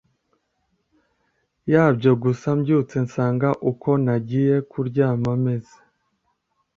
yabyo gusa mbyutse nsanga uko nagiye kuryama meze